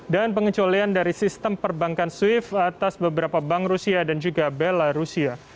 dan pengecualian dari sistem perbankan swift atas beberapa bank rusia dan juga bela rusia